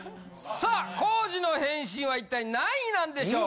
さあ皇治の返信は一体何位なんでしょう？